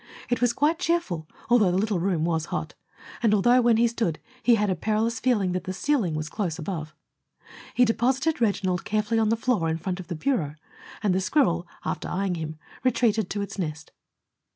It was quite cheerful, although the little room was hot, and although, when he stood, he had a perilous feeling that the ceiling was close above. He deposited Reginald carefully on the floor in front of the bureau, and the squirrel, after eyeing him, retreated to its nest.